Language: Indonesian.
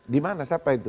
dimana siapa itu